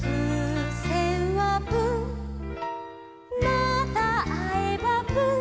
「またあえばプン」